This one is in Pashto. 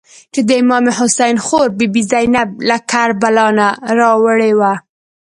چې د امام حسین خور بي بي زینب له کربلا نه راوړې وه.